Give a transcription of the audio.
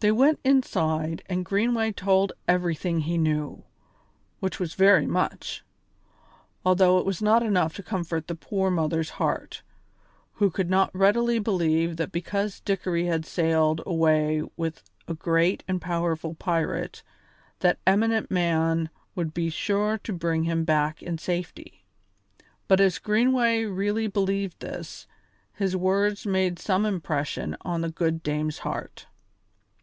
They went inside and Greenway told everything he knew, which was very much, although it was not enough to comfort the poor mother's heart, who could not readily believe that because Dickory had sailed away with a great and powerful pirate, that eminent man would be sure to bring him back in safety; but as Greenway really believed this, his words made some impression on the good dame's heart.